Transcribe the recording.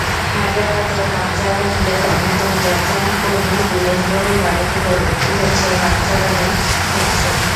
হায়দরাবাদের বানজারা হিলের অন্যতম জাঁকজমকপূর্ণ বিলাসবহুল বাড়িগুলোর একটি হচ্ছে রামচরণের ম্যানসন।